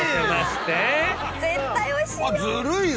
絶対おいしいよ。